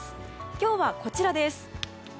今日は、こちらです。